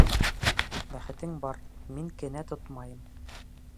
Бәхетең бар, мин кенә тотмайым.